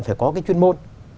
phải có cái chuyên môn